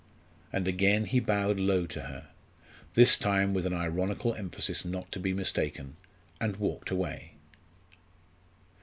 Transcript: And again he bowed low to her, this time with an ironical emphasis not to be mistaken, and walked away.